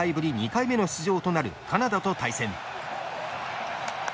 ２回目の出場となるカナダと対戦。